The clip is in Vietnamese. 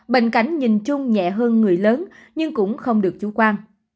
bệnh cảnh nhìn chung nhẹ hơn người lớn nhưng cũng không được chủ quan